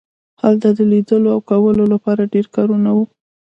هلته د لیدلو او کولو لپاره ډیر کارونه وو